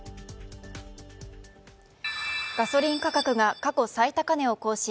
ガソリン価格が過去最高値を更新。